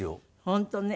本当ね！